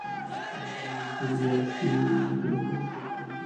DBA বলেছে, BERC Titas গ্যাসের tariff কমিয়েছে বিনিয়োগকারীদের কাছে তথ্য গোপন রেখে।